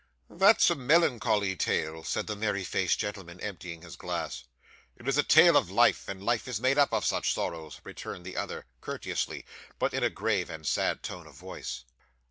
'That's a melancholy tale,' said the merry faced gentleman, emptying his glass. 'It is a tale of life, and life is made up of such sorrows,' returned the other, courteously, but in a grave and sad tone of voice.